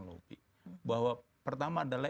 lobby bahwa pertama adalah